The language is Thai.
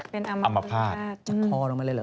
เป็นอมภาษณ์จากคอลงมาเลยเหรอ